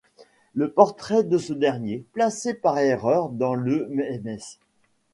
Le portrait de ce dernier, placé par erreur dans le Ms.